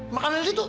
makanan riri itu